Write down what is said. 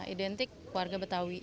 identik keluarga betawi